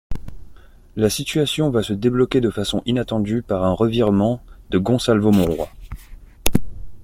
La situation va se débloquer de façon inattendue par un revirement de Gonsalvo Monroy.